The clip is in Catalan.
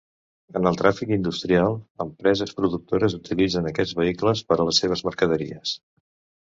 En el tràfic industrial, empreses productores utilitzen aquests vehicles per a les seves mercaderies.